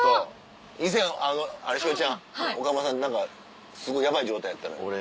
以前栞里ちゃん岡村さん何かすごいヤバい状態やったの。